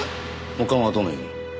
保管はどのように？